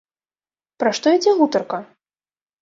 Пра што ідзе гутарка?